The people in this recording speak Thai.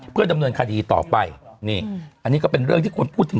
เพื่อดำเนินคดีต่อไปนี่อันนี้ก็เป็นเรื่องที่ควรพูดถึง